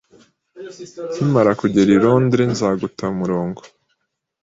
Nkimara kugera i Londres, nzaguta umurongo.